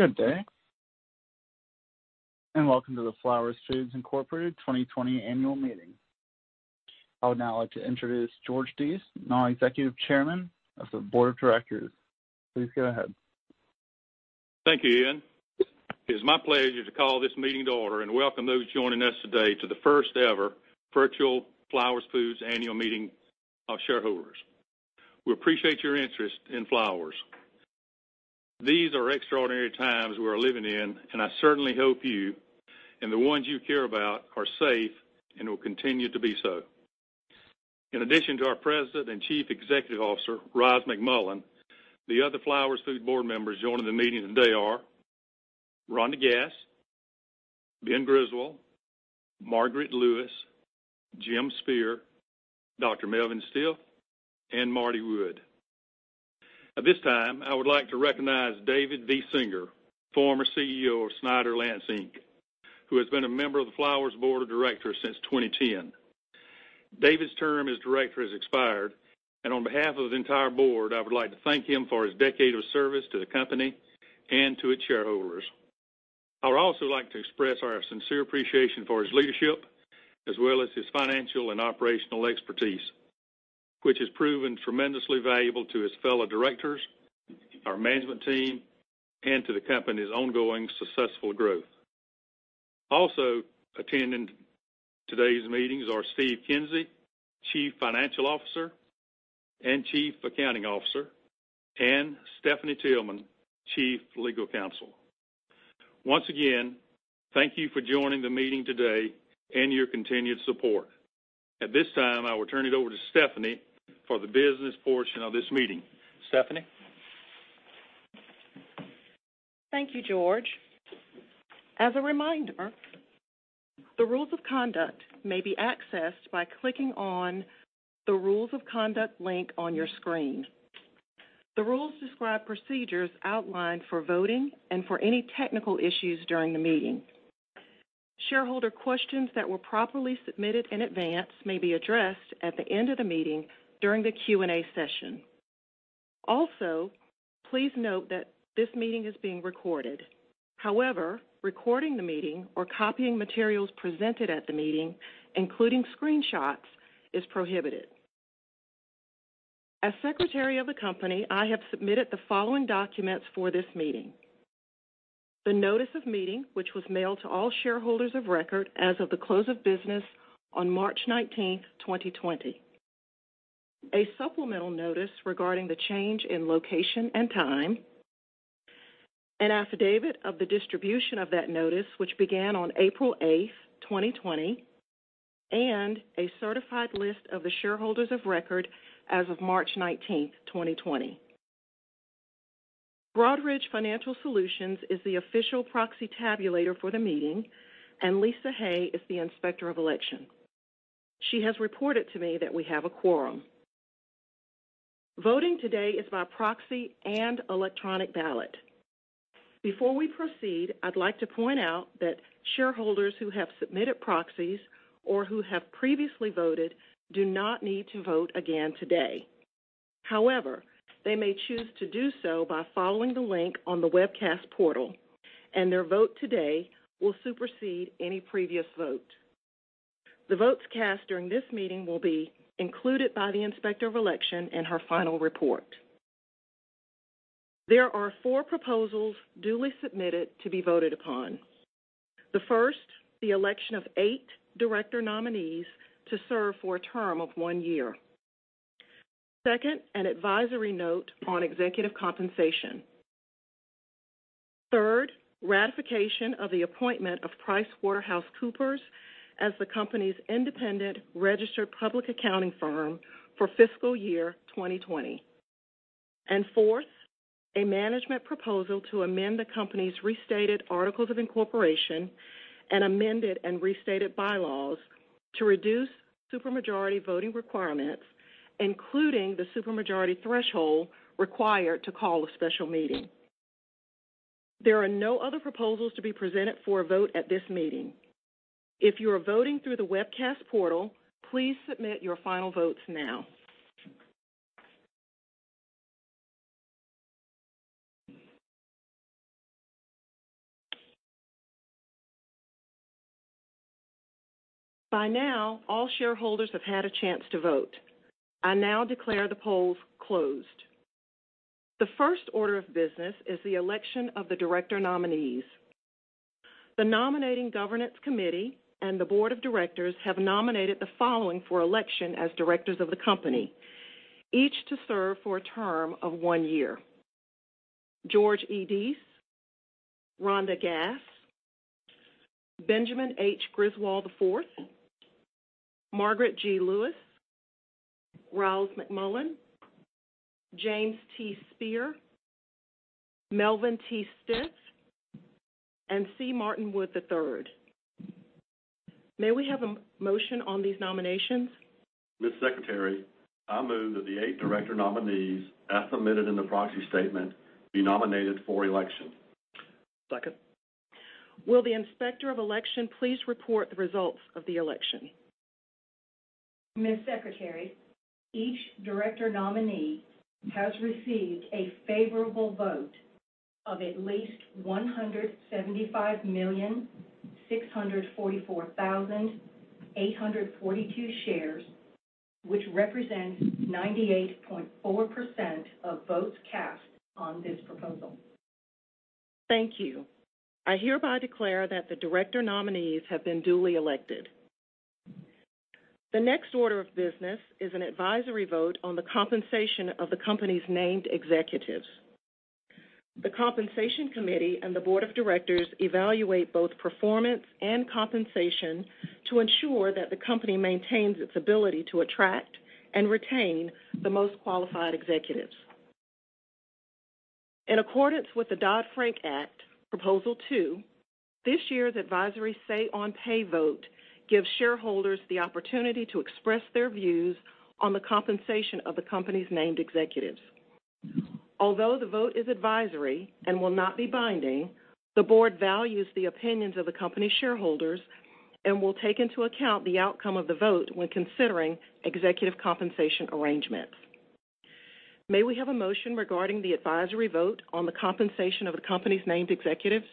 Good day, and welcome to the Flowers Foods Incorporated 2020 Annual Meeting. I would now like to introduce George Deese, Non-Executive Chairman of the Board of Directors. Please go ahead. Thank you, Ian. It is my pleasure to call this meeting to order and welcome those joining us today to the first-ever virtual Flowers Foods Annual Meeting of Shareholders. We appreciate your interest in Flowers. These are extraordinary times we are living in, and I certainly hope you and the ones you care about are safe and will continue to be so. In addition to our President and Chief Executive Officer, Ryals McMullian, the other Flowers Foods board members joining the meeting today are Rhonda Gass, Ben Griswold, Margaret Lewis, Jim Spear, Dr. Melvin Stith, and Marty Wood. At this time, I would like to recognize David V. Singer, former Chief Executive Officer of Snyder's-Lance, Inc, who has been a member of the Flowers Board of Directors since 2010. David's term as director has expired, and on behalf of the entire board, I would like to thank him for his decade of service to the company and to its shareholders. I would also like to express our sincere appreciation for his leadership as well as his financial and operational expertise, which has proven tremendously valuable to his fellow directors, our management team, and to the company's ongoing successful growth. Also attending today's meetings are Steve Kinsey, Chief Financial Officer and Chief Accounting Officer, and Stephanie Tillman, Chief Legal Counsel. Once again, thank you for joining the meeting today and your continued support. At this time, I will turn it over to Stephanie for the business portion of this meeting. Stephanie? Thank you, George. As a reminder, the rules of conduct may be accessed by clicking on the Rules of Conduct link on your screen. The rules describe procedures outlined for voting and for any technical issues during the meeting. Shareholder questions that were properly submitted in advance may be addressed at the end of the meeting during the Q&A session. Please note that this meeting is being recorded. However, recording the meeting or copying materials presented at the meeting, including screenshots, is prohibited. As Secretary of the company, I have submitted the following documents for this meeting: the Notice of Meeting, which was mailed to all shareholders of record as of the close of business on March 19th, 2020; a supplemental notice regarding the change in location and time; an affidavit of the distribution of that notice, which began on April 8th, 2020; and a certified list of the shareholders of record as of March 19th, 2020. Broadridge Financial Solutions is the official proxy tabulator for the meeting, and Lisa Hay is the Inspector of Election. She has reported to me that we have a quorum. Voting today is by proxy and electronic ballot. Before we proceed, I'd like to point out that shareholders who have submitted proxies or who have previously voted do not need to vote again today. However, they may choose to do so by following the link on the webcast portal, and their vote today will supersede any previous vote. The votes cast during this meeting will be included by the Inspector of Election in her final report. There are four proposals duly submitted to be voted upon. The first, the election of eight director nominees to serve for a term of one year. Second, an advisory vote on executive compensation. Third, ratification of the appointment of PricewaterhouseCoopers as the company's independent registered public accounting firm for fiscal year 2020. Fourth, a management proposal to amend the company's restated articles of incorporation and amended and restated bylaws to reduce supermajority voting requirements, including the supermajority threshold required to call a special meeting. There are no other proposals to be presented for a vote at this meeting. If you are voting through the webcast portal, please submit your final votes now. By now, all shareholders have had a chance to vote. I now declare the polls closed. The first order of business is the election of the director nominees. The Nominating Governance Committee and the Board of Directors have nominated the following for election as directors of the company, each to serve for a term of one year: George E. Deese, Rhonda Gass, Benjamin H. Griswold IV, Margaret G. Lewis, Ryals McMullian, James T. Spear, Melvin T. Stith, and C. Martin Wood III. May we have a motion on these nominations? Ms. Secretary, I move that the eight director nominees, as submitted in the proxy statement, be nominated for election. Second. Will the Inspector of Election please report the results of the election? Ms. Secretary, each director nominee has received a favorable vote of at least 175,644,842 shares, which represents 98.4% of votes cast on this proposal. Thank you. I hereby declare that the director nominees have been duly elected. The next order of business is an advisory vote on the compensation of the company's named executives. The Compensation Committee and the Board of Directors evaluate both performance and compensation to ensure that the company maintains its ability to attract and retain the most qualified executives. In accordance with the Dodd-Frank Act, Proposal 2, this year's advisory say on pay vote gives shareholders the opportunity to express their views on the compensation of the company's named executives. Although the vote is advisory and will not be binding, the board values the opinions of the company's shareholders and will take into account the outcome of the vote when considering executive compensation arrangements. May we have a motion regarding the advisory vote on the compensation of the company's named executives?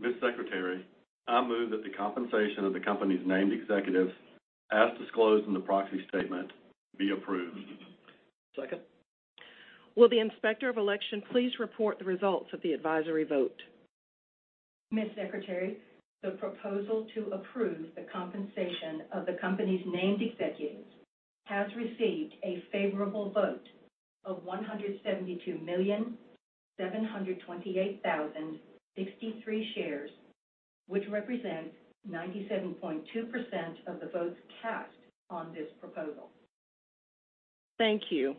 Ms. Secretary, I move that the compensation of the company's named executives, as disclosed in the proxy statement, be approved. Second. Will the Inspector of Election please report the results of the advisory vote? Ms. Secretary, the proposal to approve the compensation of the company's named executives has received a favorable vote of 172,728,063 shares, which represents 97.2% of the votes cast on this proposal. Thank you.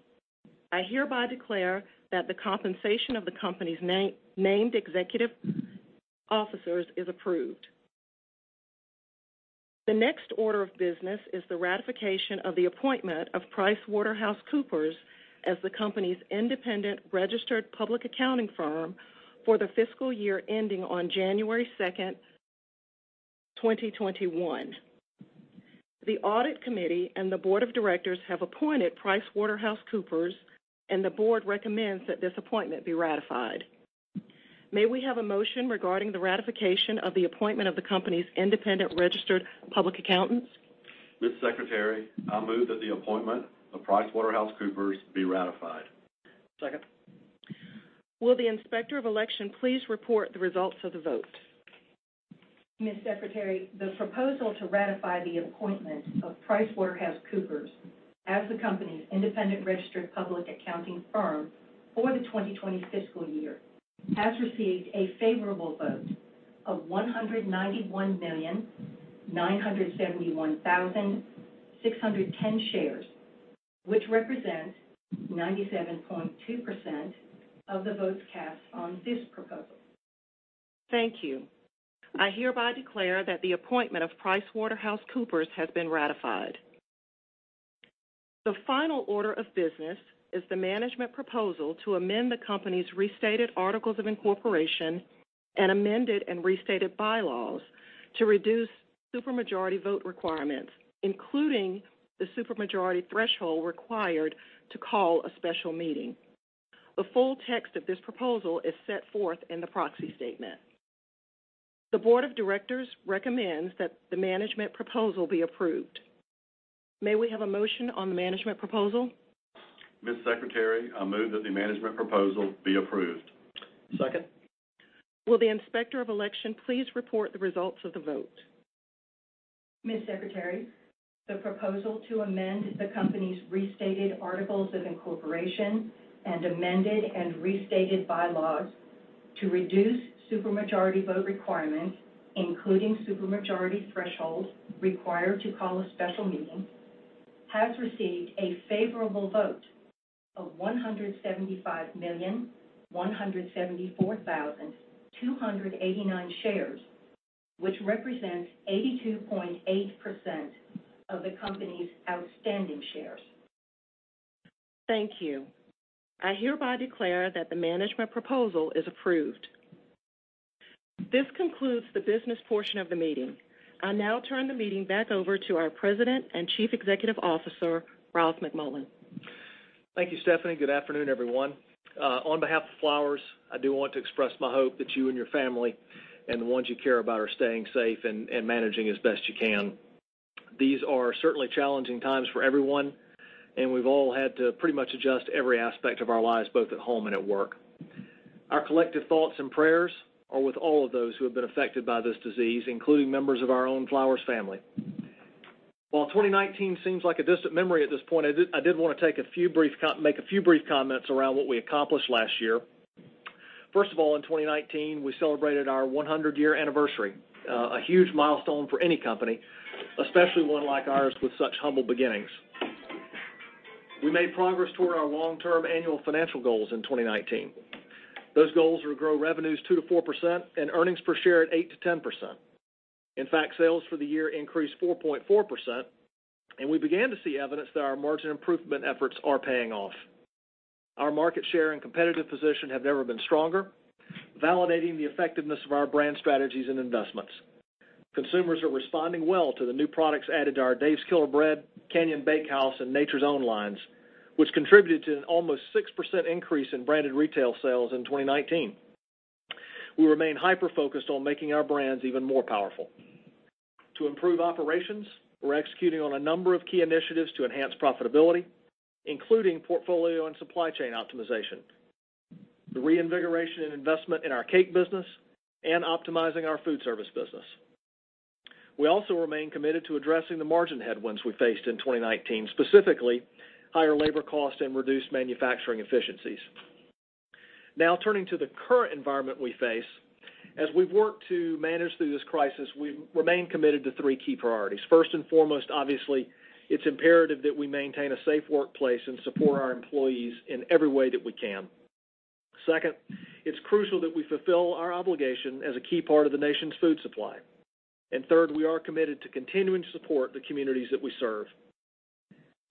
I hereby declare that the compensation of the company's named executive officers is approved. The next order of business is the ratification of the appointment of PricewaterhouseCoopers as the company's independent registered public accounting firm for the fiscal year ending on January 2nd, 2021. The Audit Committee and the Board of Directors have appointed PricewaterhouseCoopers, and the board recommends that this appointment be ratified. May we have a motion regarding the ratification of the appointment of the company's independent registered public accountants? Ms. Secretary, I move that the appointment of PricewaterhouseCoopers be ratified. Second. Will the Inspector of Election please report the results of the vote? Ms. Secretary, the proposal to ratify the appointment of PricewaterhouseCoopers as the company's independent registered public accounting firm for the 2020 fiscal year has received a favorable vote of 191,971,610 shares, which represents 97.2% of the votes cast on this proposal. Thank you. I hereby declare that the appointment of PricewaterhouseCoopers has been ratified. The final order of business is the management proposal to amend the company's restated articles of incorporation and amended and restated bylaws to reduce supermajority vote requirements, including the supermajority threshold required to call a special meeting. The full text of this proposal is set forth in the proxy statement. The Board of Directors recommends that the management proposal be approved. May we have a motion on the management proposal? Ms. Secretary, I move that the management proposal be approved. Second. Will the Inspector of Election please report the results of the vote? Ms. Secretary, the proposal to amend the company's restated articles of incorporation and amended and restated bylaws to reduce supermajority vote requirements, including supermajority thresholds required to call a special meeting, has received a favorable vote of 175,174,289 shares, which represents 82.8% of the company's outstanding shares. Thank you. I hereby declare that the management proposal is approved. This concludes the business portion of the meeting. I now turn the meeting back over to our President and Chief Executive Officer, Ryals McMullian. Thank you, Stephanie. Good afternoon, everyone. On behalf of Flowers, I do want to express my hope that you and your family and the ones you care about are staying safe and managing as best you can. These are certainly challenging times for everyone, and we've all had to pretty much adjust every aspect of our lives, both at home and at work. Our collective thoughts and prayers are with all of those who have been affected by this disease, including members of our own Flowers family. While 2019 seems like a distant memory at this point, I did want to make a few brief comments around what we accomplished last year. First of all, in 2019, we celebrated our 100-year anniversary, a huge milestone for any company, especially one like ours with such humble beginnings. We made progress toward our long-term annual financial goals in 2019. Those goals were to grow revenues 2%-4% and earnings per share at 8%-10%. In fact, sales for the year increased 4.4%, and we began to see evidence that our margin improvement efforts are paying off. Our market share and competitive position have never been stronger, validating the effectiveness of our brand strategies and investments. Consumers are responding well to the new products added to our Dave's Killer Bread, Canyon Bakehouse, and Nature's Own lines, which contributed to an almost 6% increase in branded retail sales in 2019. We remain hyper-focused on making our brands even more powerful. To improve operations, we're executing on a number of key initiatives to enhance profitability, including portfolio and supply chain optimization, the reinvigoration and investment in our cake business, and optimizing our food service business. We also remain committed to addressing the margin headwinds we faced in 2019, specifically higher labor cost and reduced manufacturing efficiencies. Now turning to the current environment we face. As we've worked to manage through this crisis, we remain committed to three key priorities. First and foremost, obviously, it's imperative that we maintain a safe workplace and support our employees in every way that we can. Second, it's crucial that we fulfill our obligation as a key part of the nation's food supply. Third, we are committed to continuing to support the communities that we serve.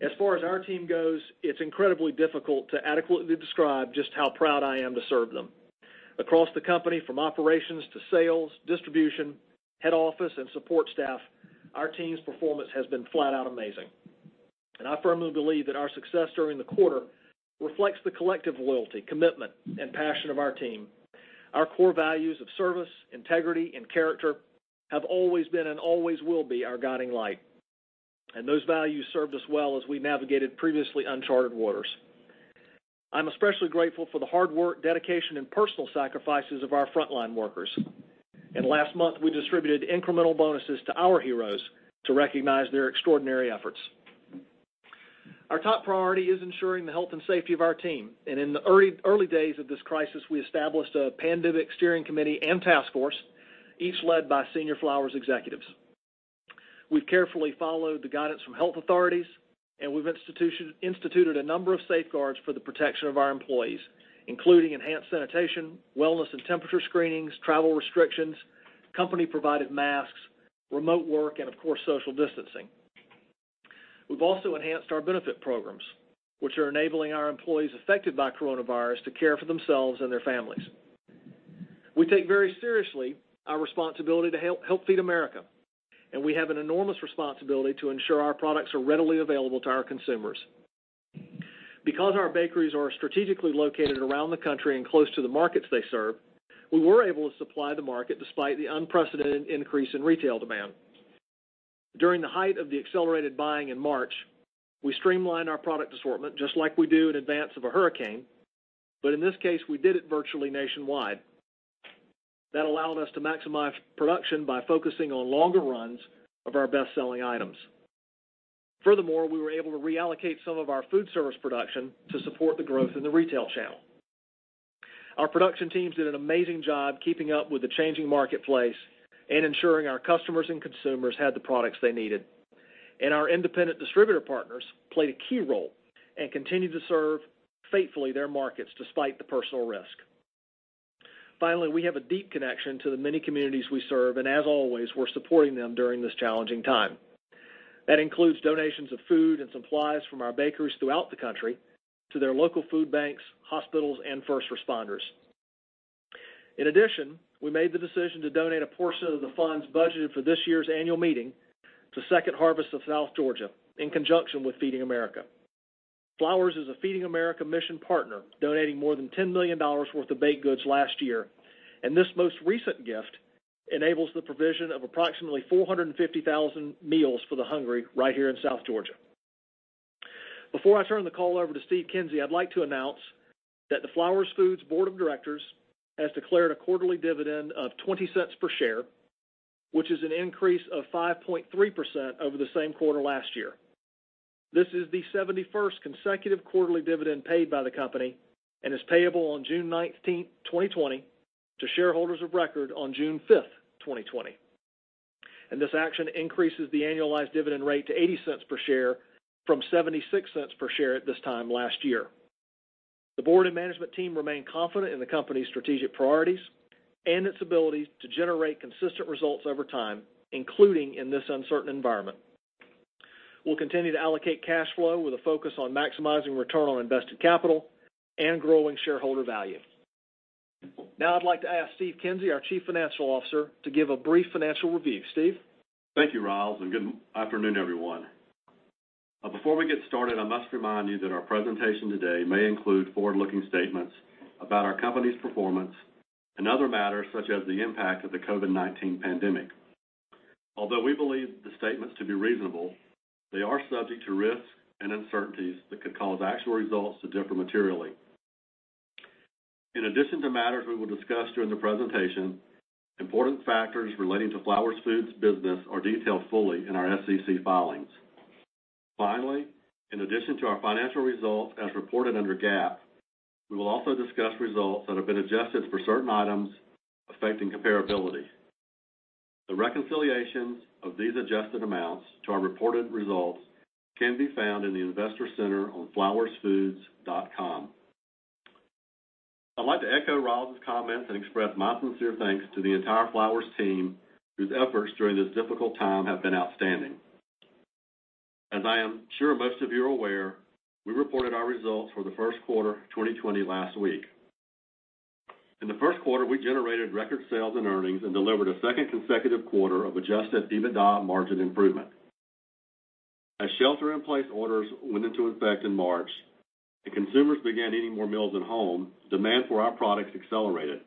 As far as our team goes, it's incredibly difficult to adequately describe just how proud I am to serve them. Across the company, from operations to sales, distribution, head office, and support staff, our team's performance has been flat-out amazing. I firmly believe that our success during the quarter reflects the collective loyalty, commitment, and passion of our team. Our core values of service, integrity, and character have always been and always will be our guiding light. Those values served us well as we navigated previously uncharted waters. I'm especially grateful for the hard work, dedication, and personal sacrifices of our frontline workers. Last month, we distributed incremental bonuses to our heroes to recognize their extraordinary efforts. Our top priority is ensuring the health and safety of our team. In the early days of this crisis, we established a pandemic steering committee and task force, each led by senior Flowers executives. We've carefully followed the guidance from health authorities, and we've instituted a number of safeguards for the protection of our employees, including enhanced sanitation, wellness and temperature screenings, travel restrictions, company-provided masks, remote work, and, of course, social distancing. We've also enhanced our benefit programs, which are enabling our employees affected by coronavirus to care for themselves and their families. We take very seriously our responsibility to help Feeding America, and we have an enormous responsibility to ensure our products are readily available to our consumers. Because our bakeries are strategically located around the country and close to the markets they serve, we were able to supply the market despite the unprecedented increase in retail demand. During the height of the accelerated buying in March, we streamlined our product assortment just like we do in advance of a hurricane, but in this case, we did it virtually nationwide. That allowed us to maximize production by focusing on longer runs of our best-selling items. Furthermore, we were able to reallocate some of our food service production to support the growth in the retail channel. Our production teams did an amazing job keeping up with the changing marketplace and ensuring our customers and consumers had the products they needed. Our independent distributor partners played a key role and continued to serve faithfully their markets despite the personal risk. Finally, we have a deep connection to the many communities we serve, and as always, we're supporting them during this challenging time. That includes donations of food and supplies from our bakeries throughout the country to their local food banks, hospitals, and first responders. In addition, we made the decision to donate a portion of the funds budgeted for this year's annual meeting to Second Harvest of South Georgia in conjunction with Feeding America. Flowers is a Feeding America mission partner, donating more than $10 million worth of baked goods last year. This most recent gift enables the provision of approximately 450,000 meals for the hungry right here in South Georgia. Before I turn the call over to Steve Kinsey, I'd like to announce that the Flowers Foods Board of Directors has declared a quarterly dividend of $0.20 per share, which is an increase of 5.3% over the same quarter last year. This is the 71st consecutive quarterly dividend paid by the company and is payable on June 19th, 2020, to shareholders of record on June 5th, 2020. This action increases the annualized dividend rate to $0.80 per share from $0.76 per share at this time last year. The board and management team remain confident in the company's strategic priorities and its ability to generate consistent results over time, including in this uncertain environment. We'll continue to allocate cash flow with a focus on maximizing return on invested capital and growing shareholder value. Now I'd like to ask Steve Kinsey, our Chief Financial Officer, to give a brief financial review. Steve? Thank you, Ryals, and good afternoon, everyone. Before we get started, I must remind you that our presentation today may include forward-looking statements about our company's performance and other matters, such as the impact of the COVID-19 pandemic. Although we believe the statements to be reasonable, they are subject to risks and uncertainties that could cause actual results to differ materially. In addition to matters we will discuss during the presentation, important factors relating to Flowers Foods' business are detailed fully in our SEC filings. Finally, in addition to our financial results as reported under GAAP, we will also discuss results that have been adjusted for certain items affecting comparability. The reconciliations of these adjusted amounts to our reported results can be found in the Investor Center on flowersfoods.com. I'd like to echo Ryals' comments and express my sincere thanks to the entire Flowers team, whose efforts during this difficult time have been outstanding. As I am sure most of you are aware, we reported our results for the first quarter of 2020 last week. In the first quarter, we generated record sales and earnings and delivered a second consecutive quarter of adjusted EBITDA margin improvement. As shelter-in-place orders went into effect in March and consumers began eating more meals at home, demand for our products accelerated.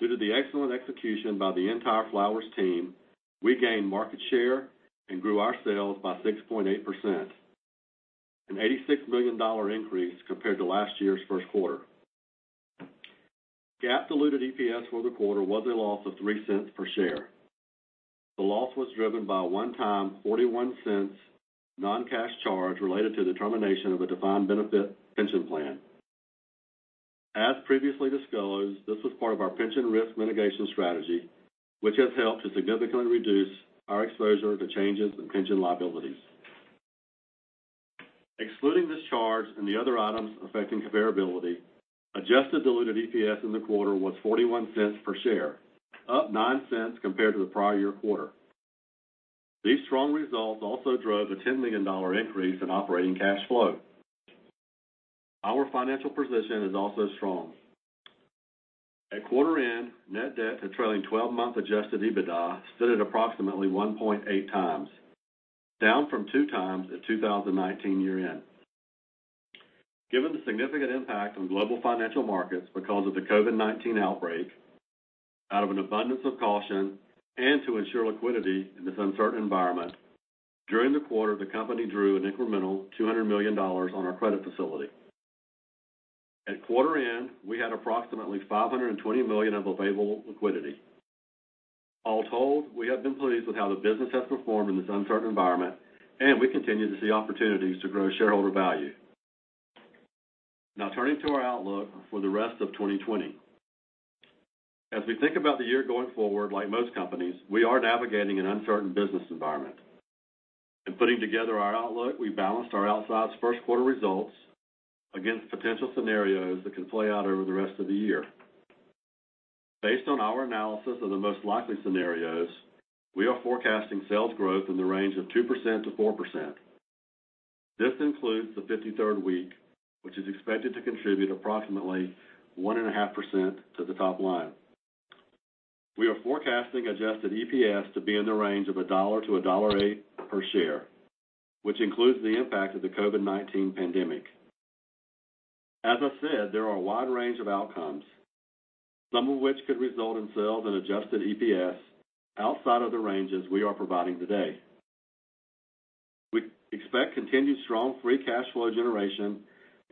Due to the excellent execution by the entire Flowers team, we gained market share and grew our sales by 6.8%, an $86 million increase compared to last year's first quarter. GAAP diluted EPS for the quarter was a loss of $0.03 per share. The loss was driven by a one-time $0.41 non-cash charge related to the termination of a defined benefit pension plan. As previously disclosed, this was part of our pension risk mitigation strategy, which has helped to significantly reduce our exposure to changes in pension liabilities. Excluding this charge and the other items affecting comparability, adjusted diluted EPS in the quarter was $0.41 per share, up $0.09 compared to the prior year quarter. These strong results also drove a $10 million increase in operating cash flow. Our financial position is also strong. At quarter-end, net debt to trailing 12-month adjusted EBITDA stood at approximately 1.8x, down from 2x at 2019 year-end. Given the significant impact on global financial markets because of the COVID-19 outbreak, out of an abundance of caution and to ensure liquidity in this uncertain environment, during the quarter, the company drew an incremental $200 million on our credit facility. At quarter-end, we had approximately $520 million of available liquidity. All told, we have been pleased with how the business has performed in this uncertain environment, and we continue to see opportunities to grow shareholder value. Now turning to our outlook for the rest of 2020. As we think about the year going forward, like most companies, we are navigating an uncertain business environment. In putting together our outlook, we balanced our outsized first quarter results against potential scenarios that can play out over the rest of the year. Based on our analysis of the most likely scenarios, we are forecasting sales growth in the range of 2%-4%. This includes the 53rd week, which is expected to contribute approximately 1.5% to the top line. We are forecasting adjusted EPS to be in the range of $1-$1.08 per share, which includes the impact of the COVID-19 pandemic. As I said, there are a wide range of outcomes, some of which could result in sales and adjusted EPS outside of the ranges we are providing today. We expect continued strong free cash flow generation,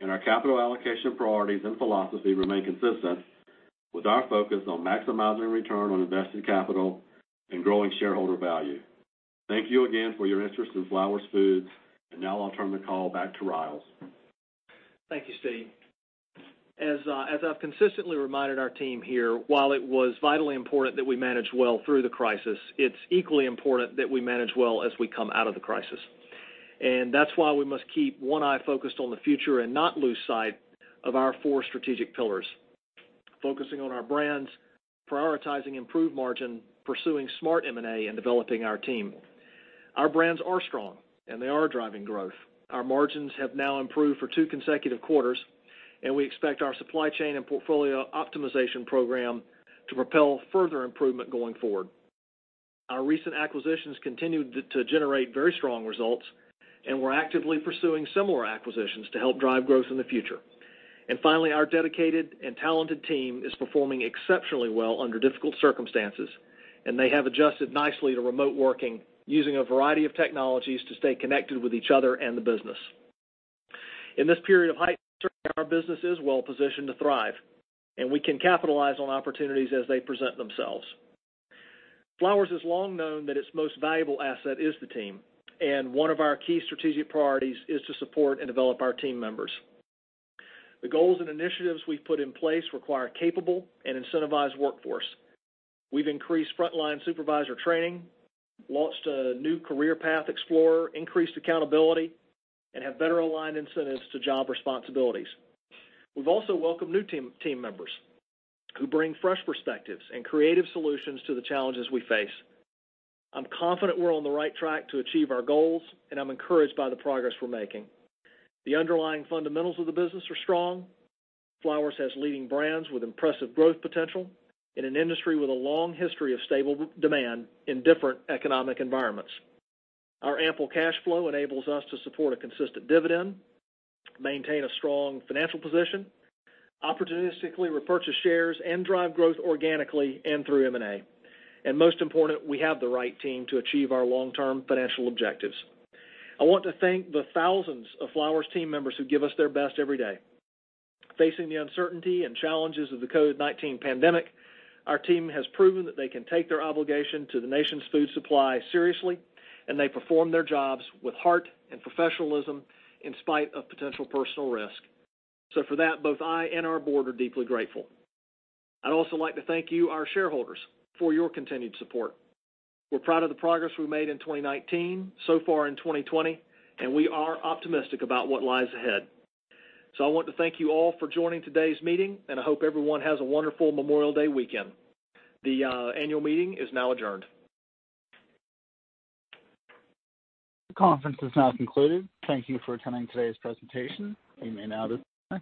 and our capital allocation priorities and philosophy remain consistent, with our focus on maximizing return on invested capital and growing shareholder value. Thank you again for your interest in Flowers Foods, and now I'll turn the call back to Ryals. Thank you, Steve. As I've consistently reminded our team here, while it was vitally important that we manage well through the crisis, it's equally important that we manage well as we come out of the crisis. That's why we must keep one eye focused on the future and not lose sight of our four strategic pillars, focusing on our brands, prioritizing improved margin, pursuing smart M&A, and developing our team. Our brands are strong, and they are driving growth. Our margins have now improved for two consecutive quarters, and we expect our supply chain and portfolio optimization program to propel further improvement going forward. Our recent acquisitions continued to generate very strong results, and we're actively pursuing similar acquisitions to help drive growth in the future. Finally, our dedicated and talented team is performing exceptionally well under difficult circumstances, and they have adjusted nicely to remote working, using a variety of technologies to stay connected with each other and the business. In this period of heightened uncertainty, our business is well-positioned to thrive, and we can capitalize on opportunities as they present themselves. Flowers has long known that its most valuable asset is the team, and one of our key strategic priorities is to support and develop our team members. The goals and initiatives we've put in place require a capable and incentivized workforce. We've increased frontline supervisor training, launched a new career path explorer, increased accountability, and have better aligned incentives to job responsibilities. We've also welcomed new team members who bring fresh perspectives and creative solutions to the challenges we face. I'm confident we're on the right track to achieve our goals, and I'm encouraged by the progress we're making. The underlying fundamentals of the business are strong. Flowers has leading brands with impressive growth potential in an industry with a long history of stable demand in different economic environments. Our ample cash flow enables us to support a consistent dividend, maintain a strong financial position, opportunistically repurchase shares, and drive growth organically and through M&A. Most important, we have the right team to achieve our long-term financial objectives. I want to thank the thousands of Flowers team members who give us their best every day. Facing the uncertainty and challenges of the COVID-19 pandemic, our team has proven that they can take their obligation to the nation's food supply seriously, and they perform their jobs with heart and professionalism in spite of potential personal risk. For that, both I and our board are deeply grateful. I'd also like to thank you, our shareholders, for your continued support. We're proud of the progress we made in 2019, so far in 2020, and we are optimistic about what lies ahead. I want to thank you all for joining today's meeting, and I hope everyone has a wonderful Memorial Day weekend. The annual meeting is now adjourned. The conference is now concluded. Thank you for attending today's presentation. You may now disconnect.